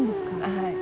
はい。